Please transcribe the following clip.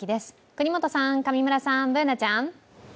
國本さん、上村さん、Ｂｏｏｎａちゃん。